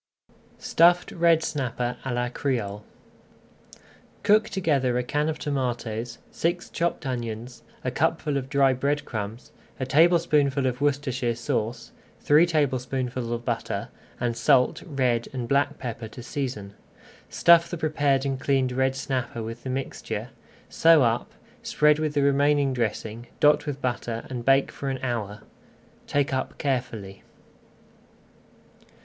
STUFFED RED SNAPPER À LA CRÉOLE Cook together a can of tomatoes, six chopped onions, a cupful of dry bread crumbs, a tablespoonful of Worcestershire Sauce, three tablespoonfuls of butter, and salt, red and black pepper to season. Stuff the prepared and cleaned red snapper with the mixture, sew up, spread with the remaining dressing, dot with butter, and bake for an hour. Take up carefully.